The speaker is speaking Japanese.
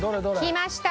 きました！